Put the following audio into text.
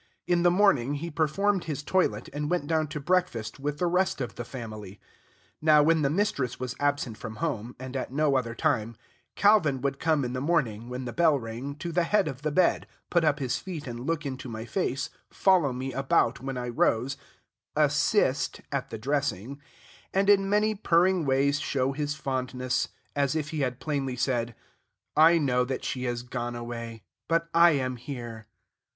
In the morning, he performed his toilet and went down to breakfast with the rest of the family. Now, when the mistress was absent from home, and at no other time, Calvin would come in the morning, when the bell rang, to the head of the bed, put up his feet and look into my face, follow me about when I rose, "assist" at the dressing, and in many purring ways show his fondness, as if he had plainly said, "I know that she has gone away, but I am here."